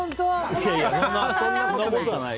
いやいや、そんなことはない。